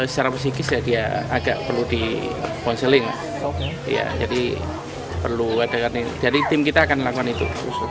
secara psikis dia agak perlu di counseling jadi tim kita akan melakukan itu